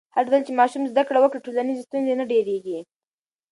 هرځل چې ماشوم زده کړه وکړي، ټولنیز ستونزې نه ډېرېږي.